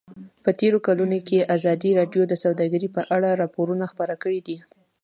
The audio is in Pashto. په تېرو کلونو کې ازادي راډیو د سوداګري په اړه راپورونه خپاره کړي دي.